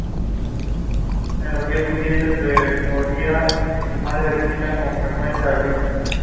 De igual manera, Ana Patricia Rojo interpretó para una novela el tema "Desesperadamente".